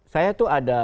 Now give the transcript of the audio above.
saya tuh ada